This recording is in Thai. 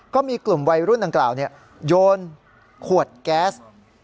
ก็มีกลุ่มวัยรุ่นดังกล่าวโยนขวดแก๊ส